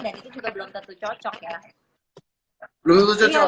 itu juga belum tentu cocok ya